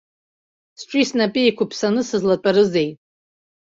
Сҿи снапи еиқәыԥсаны сызлатәарызеи?